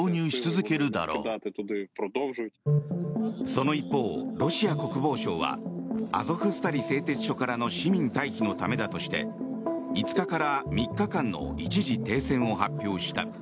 その一方、ロシア国防省はアゾフスタリ製鉄所からの市民退避のためだとして５日から３日間の一時停戦を発表した。